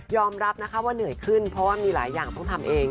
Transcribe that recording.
รับนะคะว่าเหนื่อยขึ้นเพราะว่ามีหลายอย่างต้องทำเอง